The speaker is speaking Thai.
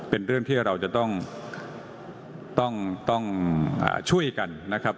เป็นเรื่องที่เราจะต้องช่วยกันนะครับ